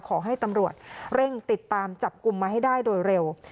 ขอให้ตำรวจเร่งติดตามจับกลุ่มมาให้ได้โดยเร็ว